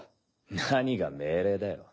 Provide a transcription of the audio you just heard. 何が命令だよ